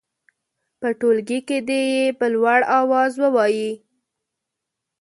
په ټولګي کې دې یې په لوړ اواز ووايي.